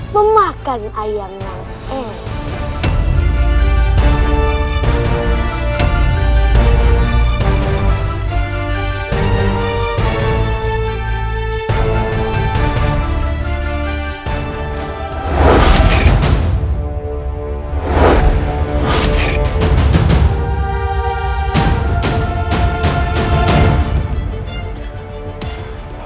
memakan ayam yang enak